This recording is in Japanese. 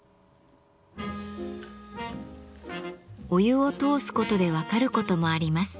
お湯を通すことで分かることもあります。